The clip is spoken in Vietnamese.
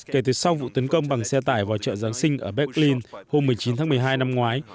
kể từ sau vụ tấn công bằng xe tải vào chợ giáng sinh ở berlin hôm một mươi chín tháng một mươi hai năm ngoái